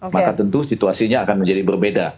maka tentu situasinya akan menjadi berbeda